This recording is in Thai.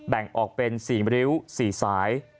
แบ่งออกเป็น๔ริ้ว๔สาย